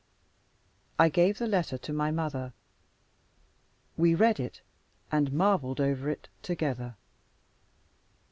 I gave the letter to my mother. We read it, and marveled over it together.